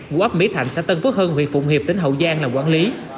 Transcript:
của ấp mỹ thạnh xã tân phước hân huyện phụng hiệp tỉnh hậu giang làm quản lý